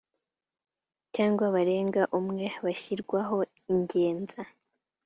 cyangwa barenze umwe bashyirwaho ingenza